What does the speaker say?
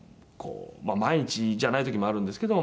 毎日じゃない時もあるんですけど